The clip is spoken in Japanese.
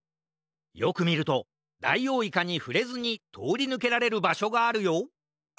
よくみるとダイオウイカにふれずにとおりぬけられるばしょがあるよ！